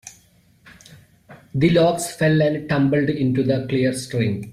The logs fell and tumbled into the clear stream.